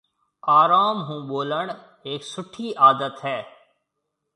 آروم هون ٻولڻ هيَڪ سُٺِي عادت هيَ۔